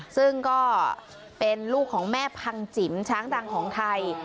ซึ่งก็เป็นลูกของแม่พังจิ๋มช้างดังของไทย